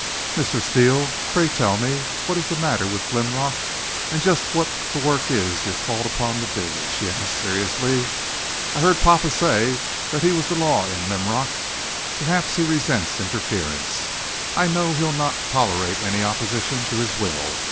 "Mr. Steele, pray tell me what is the matter with Linrock and just what the work is you're called upon to do?" she asked seriously. "I heard papa say that he was the law in Linrock. Perhaps he resents interference. I know he'll not tolerate any opposition to his will.